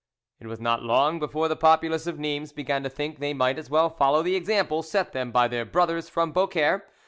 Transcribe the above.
It was not long before the populace of Nimes began to think they might as well follow the example set them by their brothers from Beaucaire.